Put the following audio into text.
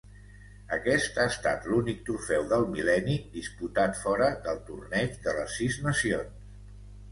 Aquest ha estat l'únic Trofeu del Mil·lenni disputat fora del Torneig de les sis nacions.